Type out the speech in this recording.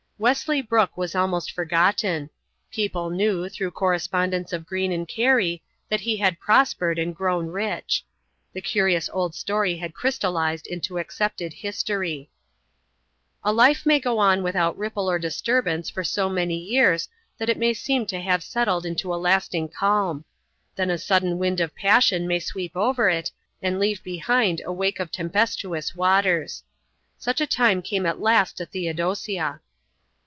Wesley Brooke was almost forgotten. People knew, through correspondents of Greene and Cary, that he had prospered and grown rich. The curious old story had crystallized into accepted history. A life may go on without ripple or disturbance for so many years that it may seem to have settled into a lasting calm; then a sudden wind of passion may sweep over it and leave behind a wake of tempestuous waters. Such a time came at last to Theodosia.